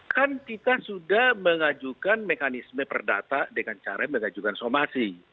kan kita sudah mengajukan mekanisme perdata dengan cara mengajukan somasi